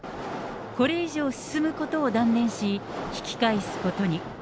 これ以上、進むことを断念し、引き返すことに。